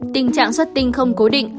tình trạng xuất tinh không cố định